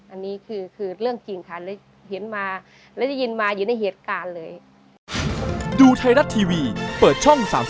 อันนี้คือเรื่องจริงค่ะเห็นมาและได้ยินมาอยู่ในเหตุการณ์เลย